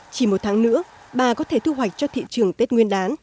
chỉ một tháng nữa bà có thể thu hoạch cho thị trường tết nguyên đán